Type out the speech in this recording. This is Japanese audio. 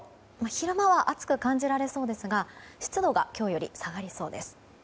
昼間は暑く感じられそうですが湿度が今日より下がりそうです。